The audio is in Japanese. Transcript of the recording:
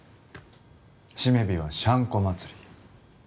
締め日はシャンコ祭り。